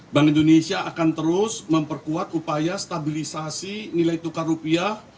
bank indonesia akan terus memperkuat upaya stabilisasi nilai tukar rupiah